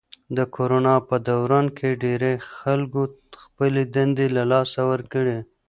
د کرونا په دوران کې ډېری خلکو خپلې دندې له لاسه ورکړې.